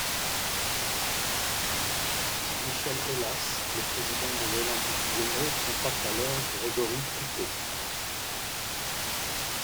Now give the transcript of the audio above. Jean-Michel Aulas, le président de l'Olympique lyonnais, contacte alors Grégory Coupet.